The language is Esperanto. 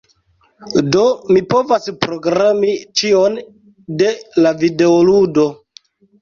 Do mi povas programi ĉion de la videoludo.